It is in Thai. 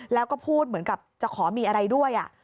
แล้วก็พูดเหมือนกับจะขอมีอะไรด้วย